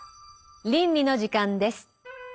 倫理の時間です。